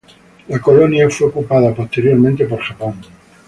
La colonia fue ocupada posteriormente por Japón.